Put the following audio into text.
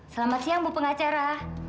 selamat siang bu pengacara